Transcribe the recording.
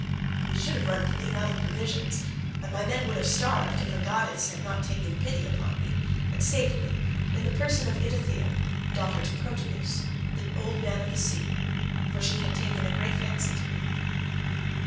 We should have run clean out of provisions and my men would have starved, if a goddess had not taken pity upon me and saved me in the person of Idothea, daughter to Proteus, the old man of the sea, for she had taken a great fancy to me.